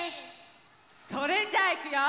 それじゃあいくよ！